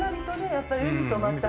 やっぱり海とまた。